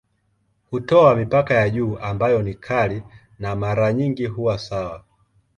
Hutoa mipaka ya juu ambayo ni kali na mara nyingi huwa sawa.